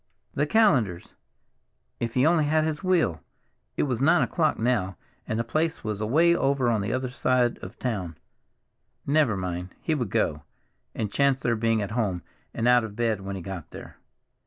The Callenders! If he only had his wheel—it was nine o'clock now, and the place was away over on the other side of town. Never mind, he would go, and chance their being at home and out of bed when he got there.